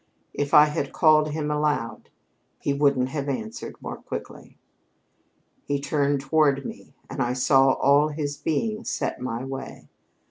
If I had called him aloud, he couldn't have answered more quickly. He turned toward me, and I saw all his being set my way.